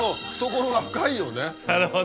なるほど。